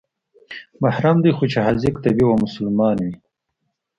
محرم دى خو چې حاذق طبيب او مسلمان وي.